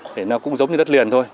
thì nó cũng giống như đất liền thôi